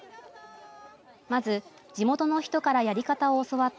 まず地元の人からやり方を教わった